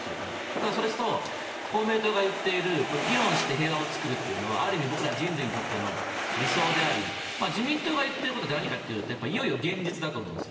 ただ、それと公明党が言っている議論して平和を作るっていうのはある意味人類にとっての希望であり自民党が言っていることって何かというといよいよ現実だと思うんです。